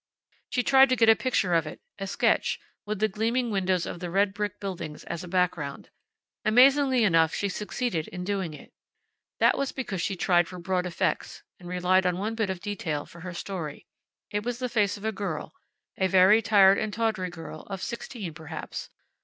She tried to get a picture of it, a sketch, with the gleaming windows of the red brick buildings as a background. Amazingly enough, she succeeded in doing it. That was because she tried for broad effects, and relied on one bit of detail for her story. It was the face of a girl a very tired and tawdry girl, of sixteen, perhaps.